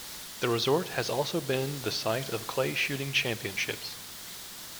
The resort has also been the site of clay shooting championships.